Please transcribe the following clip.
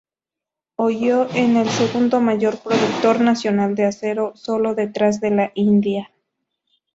Ohio es el segundo mayor productor nacional de acero, sólo detrás de Indiana.